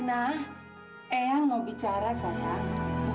ayah mau bicara sayang